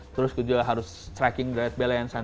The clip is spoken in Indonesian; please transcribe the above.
terus juga harus tracking direct balance antara mana